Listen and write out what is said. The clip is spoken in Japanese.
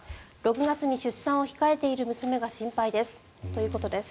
６月に出産を控えている娘が心配ですということです。